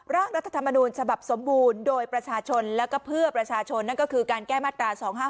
รัฐธรรมนูญฉบับสมบูรณ์โดยประชาชนแล้วก็เพื่อประชาชนนั่นก็คือการแก้มาตรา๒๕๖